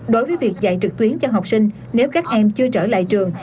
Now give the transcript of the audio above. đối với việc dạy trực tuyến cho học sinh nếu các em chưa trở lại trường